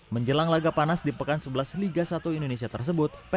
menjelang laga panas di pekan sebelas liga satu indonesia tersebut